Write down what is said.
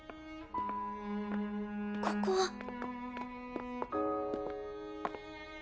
ここは。